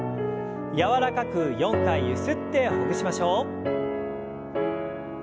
柔らかく４回ゆすってほぐしましょう。